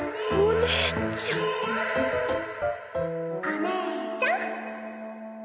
お姉ちゃん！